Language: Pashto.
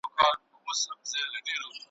آس هم د ننګ وي هم د جنګ وي ,